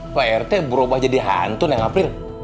om rt berubah jadi hantu nek ngapril